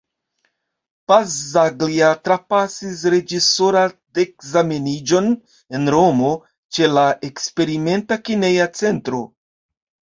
Pazzaglia trapasis reĝisoradekzameniĝon en Romo ĉe la Eksperimenta kineja centro.